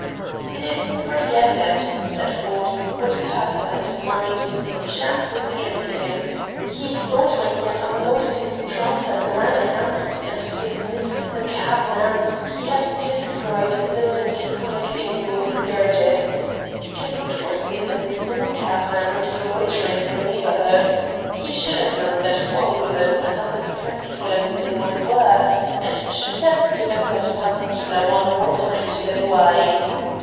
"It is pretty evident," said Ford, what Pearsall had in mind, but chance was against him. He thought when he had unloaded his trunks at the Langham and dismissed the cabman he had destroyed the link connecting him with Gerridge's. He could not foresee that the same cabman would be loitering in the neighborhood. He should have known that four wheelers are not as plentiful as they once were; and he should have given that particular one more time to get away.